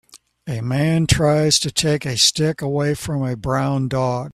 A man tries to take a stick away from a brown dog